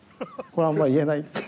これはあんま言えない。